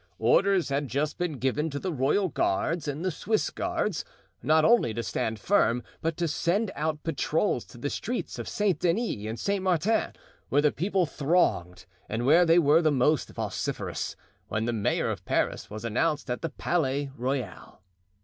Orders had just been given to the royal guards and the Swiss guards, not only to stand firm, but to send out patrols to the streets of Saint Denis and Saint Martin, where the people thronged and where they were the most vociferous, when the mayor of Paris was announced at the Palais Royal.